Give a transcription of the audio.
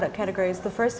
dua kategori produk